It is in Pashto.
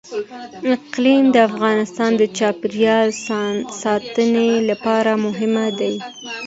اقلیم د افغانستان د چاپیریال ساتنې لپاره مهم دي.